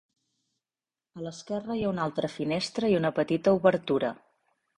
A l'esquerra hi ha una altra finestra i una petita obertura.